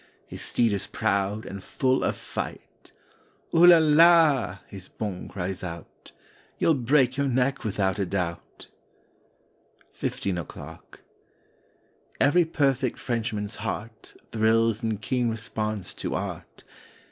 His steed is proud and full of fight. ''Oo la la!" His bonne cries out— "You'll break your neck without a doubt!" 33 . I A FOURTEEN O'CLOCK 35 FIFTEEN O'CLOCK E very perfect Frenchman's heart Thrills in keen response to Art.